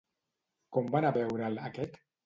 Com va anar a veure'l aquest?